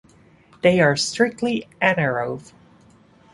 They are strictly anaerobe.